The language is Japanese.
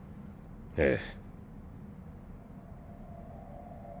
ええ。